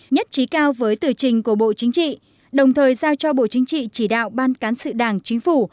nhất trí cao với tử trình của bộ chính trị đồng thời giao cho bộ chính trị chỉ đạo ban cán sự đảng chính phủ